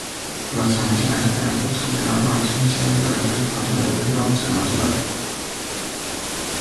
Las transmisiones experimentales continuaron con transmisiones de eventos internacionales de relevancia nacional.